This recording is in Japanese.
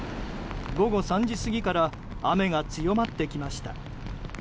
午後３時過ぎから雨が強まってきました。